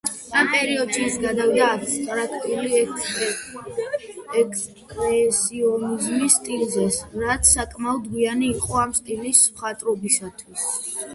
ამ პერიოდში ის გადავიდა აბსტრაქტული ექსპრესიონიზმის სტილზე, რაც საკმაოდ გვიანი იყო ამ სტილის მხატვრობისთვის.